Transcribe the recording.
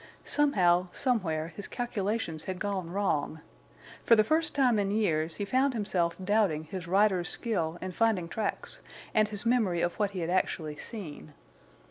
Somehow, somewhere, his calculations had gone wrong. For the first time in years he found himself doubting his rider's skill in finding tracks, and his memory of what he had actually seen.